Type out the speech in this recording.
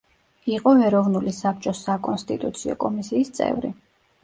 იყო ეროვნული საბჭოს საკონსტიტუციო კომისიის წევრი.